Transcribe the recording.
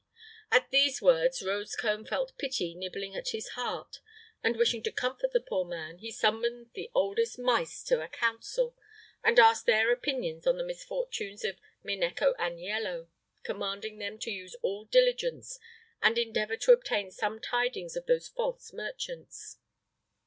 At these words Rosecone felt pity nibbling at his heart; and wishing to comfort the poor man, he summoned the oldest mice to a council, and asked their opinions on the misfortunes of Minecco Aniello, commanding them to use all diligence and endeavor to obtain some tidings of those false merchants.